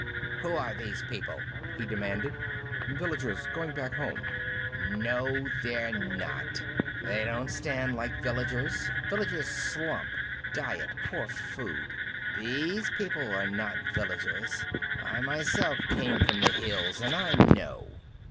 "Who are these people?" he demanded. "Villagers going back home." "No, they're not. They don't stand like villagers. Villagers slump diet, poor food. These people are not villagers. I myself came from the hills, and I know."